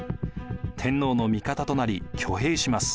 天皇の味方となり挙兵します。